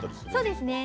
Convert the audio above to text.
そうですね